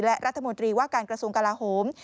และรัฐมนตรีว่าการกระทรวงกลาโหม